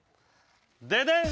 デデン！